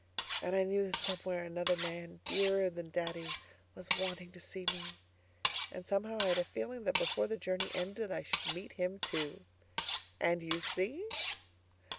And I knew that somewhere another man dearer than Daddy was wanting to see me, and somehow I had a feeling that before the journey ended I should meet him, too. And you see!